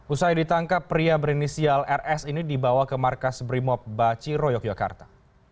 usai ditangkap pria berinisial rs ini dibawa ke markas brimob baciro yogyakarta